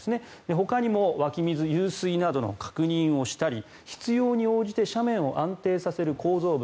ほかにも湧き水、湧水などの確認をしたり必要に応じて斜面を安定させる構造物